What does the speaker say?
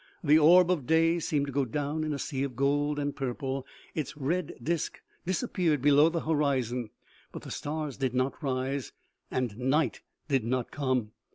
The orb of day seemed to go down in a sea of gold and purple ; its red disc dis appeared below the horizon, but the stars did not rise and night did not come